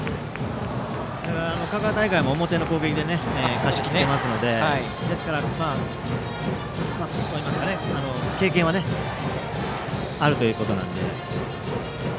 香川大会も表の攻撃で勝ちきっていますので経験はあるということなので。